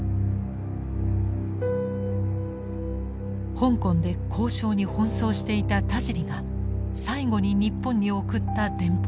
香港で交渉に奔走していた田尻が最後に日本に送った電報です。